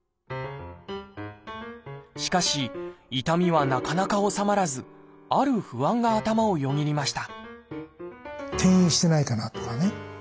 しかし痛みはなかなか治まらずある不安が頭をよぎりました